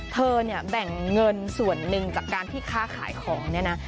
เธอเนี่ยแบ่งเงินส่วนหนึ่งจากการที่ค้าขายของเนี่ยนะ